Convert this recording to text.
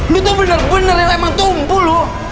lo tuh bener bener yang remang tumpu lo